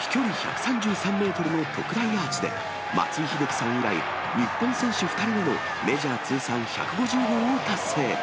飛距離１３３メートルの特大アーチで、松井秀喜さん以来、日本選手２人目のメジャー通算１５０号を達成。